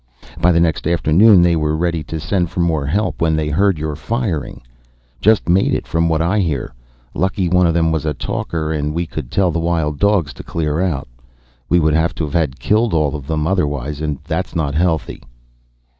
By the next afternoon they were ready to send for more help when they heard your firing. Just made it, from what I hear. Lucky one of them was a talker and could tell the wild dogs to clear out. Would have had to kill them all otherwise, and that's not healthy."